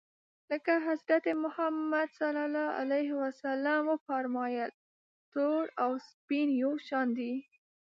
لکه حضرت محمد ص و فرمایل تور او سپین یو شان دي.